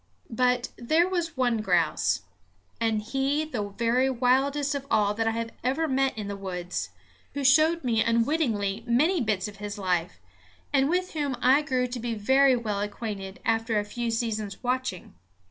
But there was one grouse and he the very wildest of all that I have ever met in the woods who showed me unwittingly many bits of his life, and with whom I grew to be very well acquainted after a few seasons' watching.